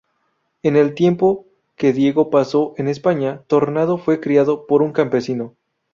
En el tiempo que Diego paso en España, Tornado fue criado por un campesino.